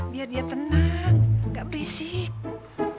biar dia tenang gak berisik